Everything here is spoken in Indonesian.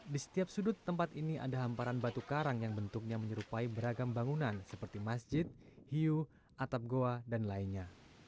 di setiap sudut tempat ini ada hamparan batu karang yang bentuknya menyerupai beragam bangunan seperti masjid hiu atap goa dan lainnya